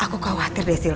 aku khawatir desil